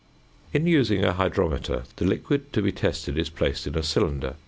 ] In using a hydrometer, the liquid to be tested is placed in a cylinder (fig.